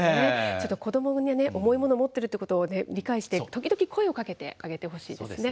ちょっと子どもに重いもの持っているということを理解して、時々声をかけてあげてほしいですね。